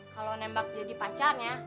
kalo nembak jadi pacarnya